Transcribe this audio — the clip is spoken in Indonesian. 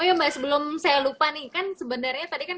oh ya mbak sebelum saya lupa nih kan sebenarnya tadi kan